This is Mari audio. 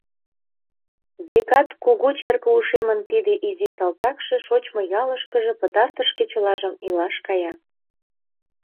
Векат, кугу черке ушемын тиде изи салтакше шочмо ялышкыже пытартыш кечылажым илаш кая.